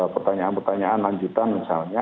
pertanyaan pertanyaan lanjutan misalnya